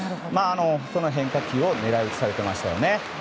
その変化球を狙い打ちされていましたよね。